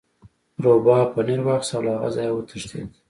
روباه پنیر واخیست او له هغه ځایه وتښتید.